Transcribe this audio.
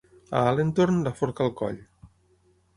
A Alentorn, la forca al coll.